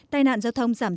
tài nạn giao thông giảm